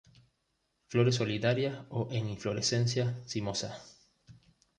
Flores solitarias o en inflorescencias cimosas.